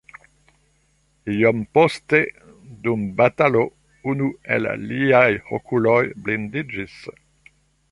Iom poste dum batalo unu el liaj okuloj blindiĝis.